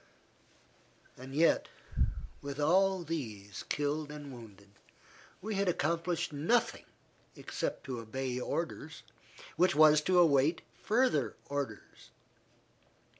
As yet, with all these killed and wounded, we had accomplished nothing except to obey orders which was to await further orders.